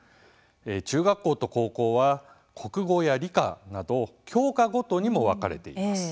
中学校と高校は国語や理科など教科ごとにも分かれています。